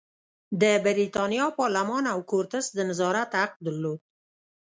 د برېتانیا پارلمان او کورتس د نظارت حق درلود.